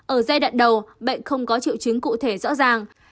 ở giai đoạn đầu bệnh không có triệu chứng cụ thể rõ ràng